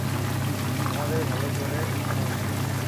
তোমাদের ভালো করে শোনা উচিত।